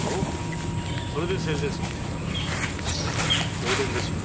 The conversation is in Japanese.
香典ですよ。